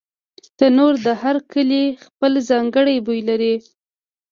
تنور د هر کلي خپل ځانګړی بوی لري